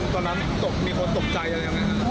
แล้วตอนชนตอนนั้นมีคนตกใจอะไรอย่างนั้นครับ